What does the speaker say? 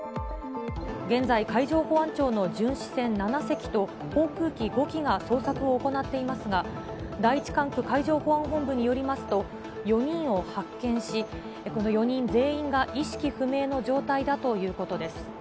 現在、海上保安庁の巡視船７隻と、航空機５機が捜索を行っていますが、第１管区海上保安本部によりますと、４人を発見し、この４人全員が意識不明の状態だということです。